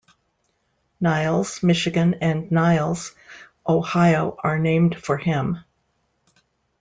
Niles, Michigan and Niles, Ohio are named for him.